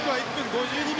５２秒